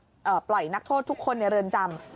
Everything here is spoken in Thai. เอ่อปล่อยนักโทษทุกคนในเรือนจำ